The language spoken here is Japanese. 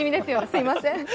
すみません。